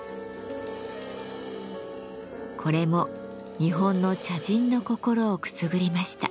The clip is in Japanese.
これも日本の茶人の心をくすぐりました。